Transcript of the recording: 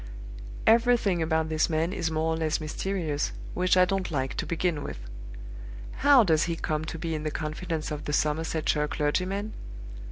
"Everything about this man is more or less mysterious, which I don't like, to begin with. How does he come to be in the confidence of the Somersetshire clergyman?